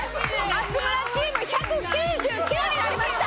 松村チーム１９９になりました。